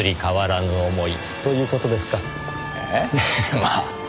まあ。